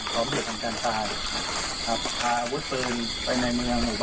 โดยไม่มีแบบมันควรโดยให้จัดส่วนท่านพอแหล่ง